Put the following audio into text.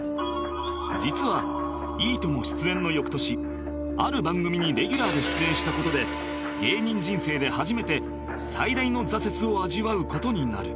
実は『いいとも！』出演の翌年ある番組にレギュラーで出演した事で芸人人生で初めて最大の挫折を味わう事になる